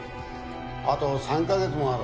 あと３カ月もある。